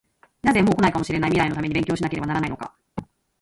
なぜ、もう来ないかもしれない未来のために勉強しなければならないのか？